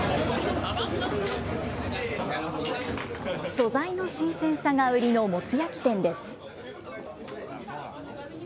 素材の新鮮さが売りのもつ焼き店です。